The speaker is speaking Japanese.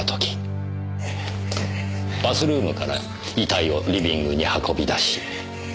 バスルームから遺体をリビングに運び出し。